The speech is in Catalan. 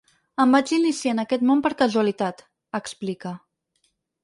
Em vaig iniciar en aquest món per casualitat, explica.